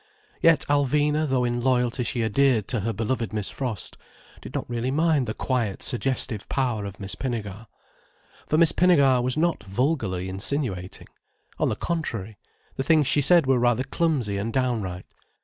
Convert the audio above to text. Yet Alvina, though in loyalty she adhered to her beloved Miss Frost, did not really mind the quiet suggestive power of Miss Pinnegar. For Miss Pinnegar was not vulgarly insinuating. On the contrary, the things she said were rather clumsy and downright.